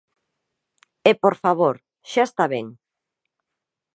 E, por favor, ¡xa está ben!